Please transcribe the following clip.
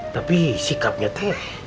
tapi sikapnya teh